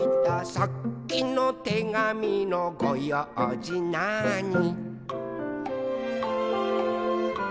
「さっきのてがみのごようじなーに」